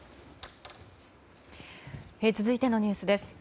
続いてのニュースです。